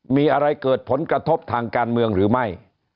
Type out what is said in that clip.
มีอะไรเกิดผลกระทบทางการเมืองหรือไม่